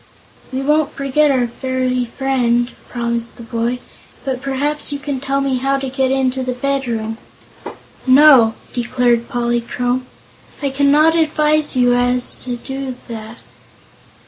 "We won't forget our fairy friend," promised the boy; "but perhaps you can tell me how to get into the bedroom." "No," declared Polychrome, "I cannot advise you as to that.